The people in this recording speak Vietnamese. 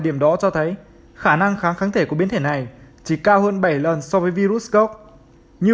điểm đó cho thấy khả năng kháng kháng thể của biến thể này chỉ cao hơn bảy lần so với virus gốc như